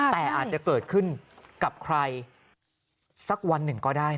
แต่อาจจะเกิดขึ้นกับใครสักวันหนึ่งก็ได้